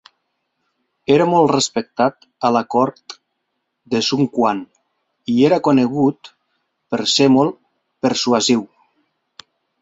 Era molt respectat a la cort de Sun Quan i era conegut per ser molt persuasiu.